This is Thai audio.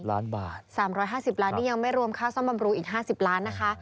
๓๕๐ล้านบาทนี่ยังไม่รวมค่าซ่อมบำรุอีก๕๐ล้านนะคะ